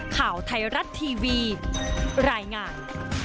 ข่าวไทยรัฐทีวีรายงาน